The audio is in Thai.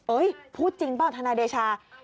เอ้ยพูดจริงเปล่าธนายเดชา